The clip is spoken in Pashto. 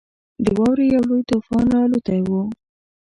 د واورې یو لوی طوفان راالوتی وو.